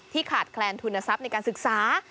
ขาดแคลนทุนทรัพย์ในการศึกษา